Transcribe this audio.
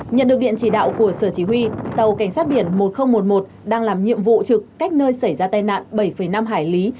nhận được điện chỉ đạo của sở chỉ huy tàu cảnh sát biển một nghìn một mươi một đang làm nhiệm vụ trực cách nơi xảy ra tai nạn bảy năm hải lý